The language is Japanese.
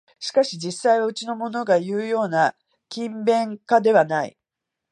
しかし実際はうちのものがいうような勤勉家ではない